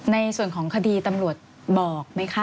ในส่วนของคดีตำรวจบอกไหมคะ